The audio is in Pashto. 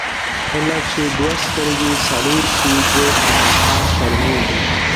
کله چې دوه سترګې څلور شي، دوې خامخا شرمېږي.